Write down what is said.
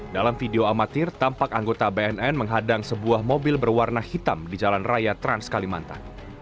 dalam video amatir tampak anggota bnn menghadang sebuah mobil berwarna hitam di jalan raya trans kalimantan